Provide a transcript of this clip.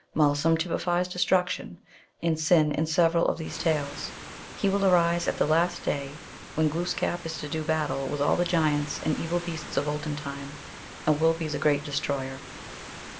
Malsum typifies destruction and sin in several of these tales. He will arise at the last day, when Glooskap is to do battle with all the giants and evil beasts of olden time, and will be the great destroyer.